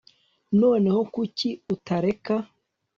noneho kuki utareka